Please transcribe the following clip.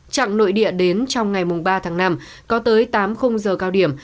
trạng nội địa đến trong ngày ba tháng năm có tới tám khung giờ cao điểm